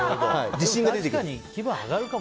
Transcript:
確かに気分上がるかも。